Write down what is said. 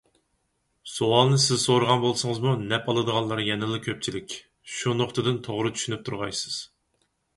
سوئالنى سىز سورىغان بولسىڭىزمۇ نەپ ئالىدىغانلار يەنىلا كۆپچىلىك. شۇ نۇقتىدىن توغرا چۈشىنىپ تۇرغايسىز.